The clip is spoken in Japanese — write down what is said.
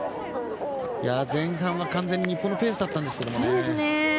前半は完全に日本のペースだったんですけれどね。